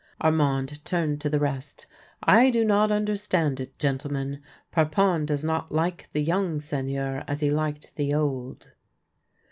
Armand turned to the rest. " I do not understand it, gentlemen. Parpon does not like the young Sei gneur as he liked the old."